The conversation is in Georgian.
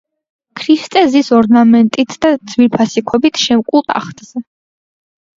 ქრისტე ზის ორნამენტით და ძვირფასი ქვებით შემკულ ტახტზე.